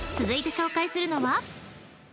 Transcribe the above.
［続いて紹介するのは？］